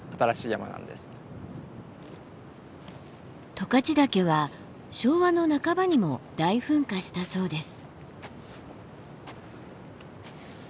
十勝岳は昭和の半ばにも大噴火したそうです。